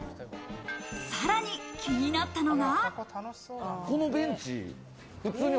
さらに気になったのが。